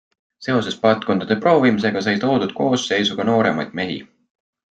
Seoses paatkondade proovimisega sai toodud koosseisu ka nooremaid mehi.